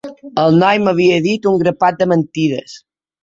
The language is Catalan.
El noi m'havia dit un grapat de mentides.